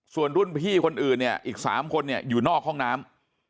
ส่วนรุ่นพี่คนอื่นเนี่ยอีก๓คนเนี่ยอยู่นอกห้องน้ำ